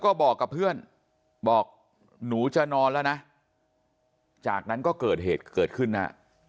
ก็บอกกับเพื่อนบอกหนูจะนอนแล้วนะจากนั้นก็เกิดเหตุเกิดขึ้นนะ